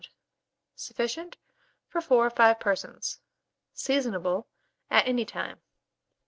Sufficient for 4 or 5 persons. Seasonable at any time.